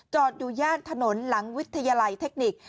อยู่ย่านถนนหลังวิทยาลัยเทคนิค